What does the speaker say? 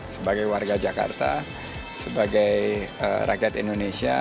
sebagai warga jakarta sebagai rakyat indonesia